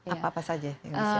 apa apa saja yang bisa